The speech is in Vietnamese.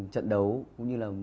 trận đấu cũng như là